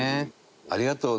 ありがとう。